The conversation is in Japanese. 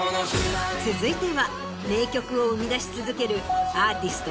続いては名曲を生み出し続けるアーティスト